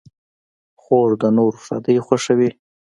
خور د نورو ښادۍ خوښوي.